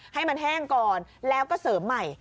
ให้มันแห้งก่อนแล้วก็เสริมใหม่